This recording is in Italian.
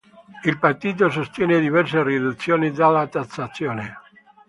Il partito sostiene diverse riduzioni della tassazione.